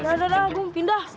nggak ada gue pindah